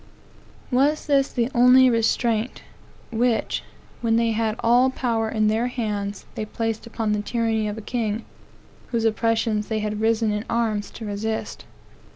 Was this the only restraint, which, when they had all power in their hands, they placed upon the tyranny of a king, whose oppressions they had risen in arms to resist?